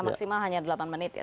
maksimal hanya delapan menit ya